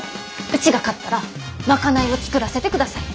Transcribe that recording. うちが勝ったら賄いを作らせてください！